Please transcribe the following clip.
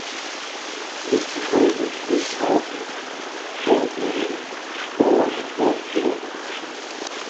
It is composed of three counties, Champaign, Ford, and Piatt.